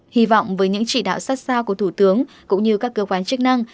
hy vọng với những chỉ đạo sát sao của thủ tướng cũng như các cơ quan chức năng